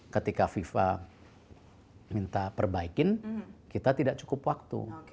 ketika fifa minta perbaikin kita tidak cukup waktu